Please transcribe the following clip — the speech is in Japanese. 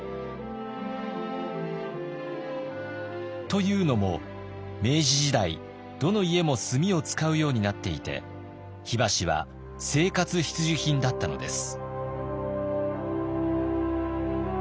というのも明治時代どの家も炭を使うようになっていて火箸は生活必需品だったのです。